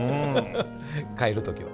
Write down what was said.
帰る時は。